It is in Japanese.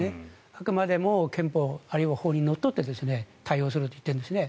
あくまでも憲法あるいは法にのっとって対応しようとしているんですね。